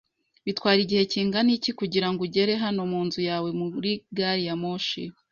Bitwara igihe kingana iki kugirango ugere hano munzu yawe muri gari ya moshi?